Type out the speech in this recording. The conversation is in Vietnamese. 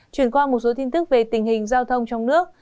chuyển qua một số tin tức về tình hình giao thông trong nước